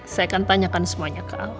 saya akan tanyakan semuanya ke